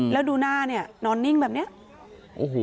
แล้วดูหน้าเนี่ยนอนนิ่งแบบเนี้ยโอ้โห